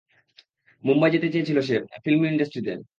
মুম্বাই যেতে চেয়েছিলো সে, ফিল্ম ইন্ড্রাস্টিতে।